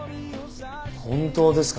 本当ですか？